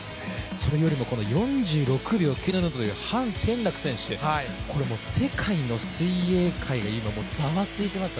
それよりも４６秒９７という潘展樂選手、これは世界の水泳界が今、ざわついていますよ。